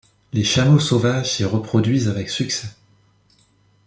Les chameaux sauvages s'y reproduisent avec succès.